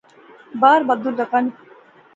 بار بدُل لغا نا